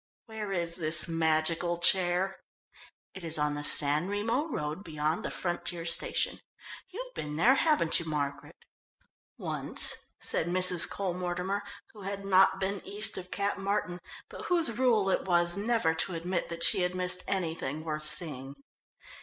"Where is this magical chair?" "It is on the San Remo road beyond the frontier station. You've been there, haven't you, Margaret?" "Once," said Mrs. Cole Mortimer, who had not been east of Cap Martin, but whose rule it was never to admit that she had missed anything worth seeing.